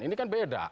ini kan beda